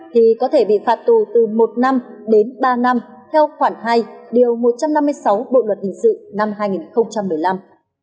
thì có thể bị phạt tù từ một năm đến ba năm theo khoản hai điều một trăm năm mươi sáu bộ luật hình sự năm hai nghìn một mươi năm